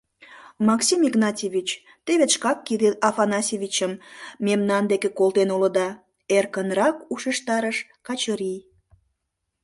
— Максим Игнатьевич, те вет шкак Кирилл Афанасьевичым мемнан деке колтен улыда, — эркынрак ушештарыш Качырий.